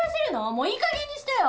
もういい加減にしてよ！